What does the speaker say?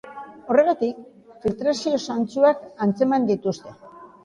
Horregatik, filtrazio zantzuak antzeman dituzte.